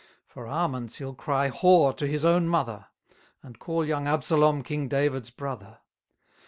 For almonds he'll cry whore to his own mother: And call young Absalom king David's brother.